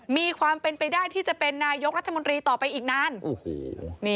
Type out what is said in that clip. มีความเป็นไปได้ที่จะเป็นนายกรัฐมนตรีต่อไปอีกนานโอ้โห